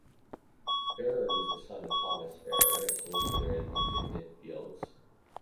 Farrer was the son of Thomas Farrer, a solicitor in Lincoln's Inn Fields.